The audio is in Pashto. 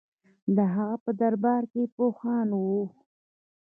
د هغه په دربار کې پوهان وو